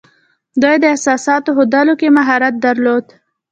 دوی د احساساتو ښودلو کې مهارت درلود